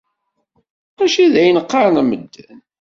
Mačči d ayen qqaren medden.